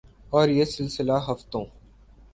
اور یہ سلسلہ ہفتوں